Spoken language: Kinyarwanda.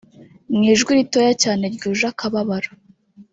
Mu ijwi ritoya cyane ryuje akababaro